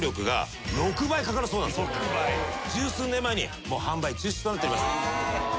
十数年前に販売中止となっております。